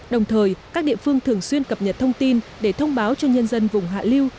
đồng thời các địa phương thường xuyên cập nhật thông tin để thông báo cho nhân dân vùng hạ liêu